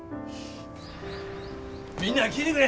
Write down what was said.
みんな聞いてくれ！